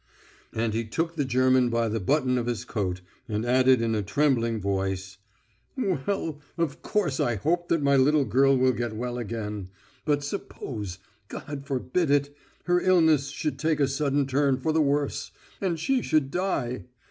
And he took the German by the button of his coat, and added in a trembling voice: "Well ... of course I hope that my little girl will get well again. But suppose ... God forbid it!... her illness should take a sudden turn for the worse ... and she should die!